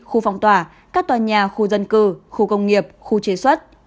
khu phong tỏa các tòa nhà khu dân cư khu công nghiệp khu chế xuất